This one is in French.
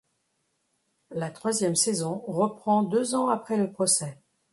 La troisième saison reprend deux ans après le procès.